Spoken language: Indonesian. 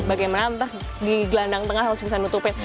bagaimana entah di gelandang tengah harus bisa nutupin